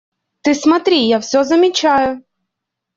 – Ты смотри! Я все замечаю.